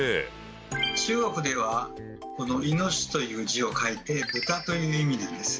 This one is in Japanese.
中国ではこの「猪」という字を書いて「豚」という意味なんです。